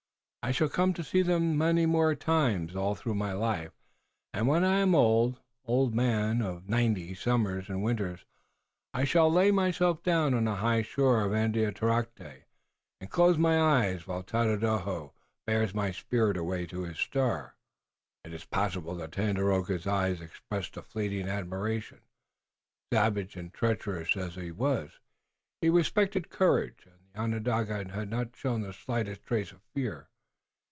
I shall come to see them many more times all through my life, and when I am an old, old man of ninety summers and winters I shall lay myself down on a high shore of Andiatarocte, and close my eyes while Tododaho bears my spirit away to his star." It is possible that Tandakora's eyes expressed a fleeting admiration. Savage and treacherous as he was, he respected courage, and the Onondaga had not shown the slightest trace of fear.